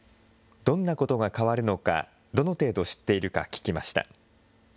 どんなことが変わるのか、どの程度知っているか聞きました。